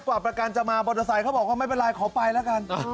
กว่าประกันจะมาบรรทสายเขาบอกว่าไม่เป็นไรขอไปแล้วกันอ๋อ